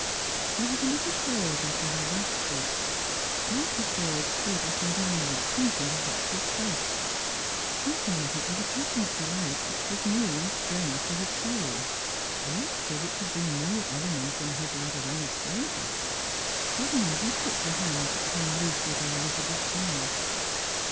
There was a little pause after her last speech. Malcolm Forde stood looking downward, thinking of what she had said; thinking of it with a passionate delight which Avas new and strange to his soul; a rapture which had been no element in his love of Alice Fi aser. Suddenly he took the hand that hung loosely by Elizabeth's side.